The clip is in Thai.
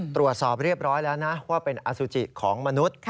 ตรวจสอบเรียบร้อยแล้วนะว่าเป็นอสุจิของมนุษย์